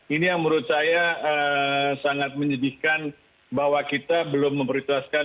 ini yang menurut saya sangat menyedihkan bahwa kita belum memprioritaskan